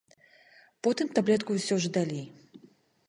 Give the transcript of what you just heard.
Потым таблетку ўсё ж далі.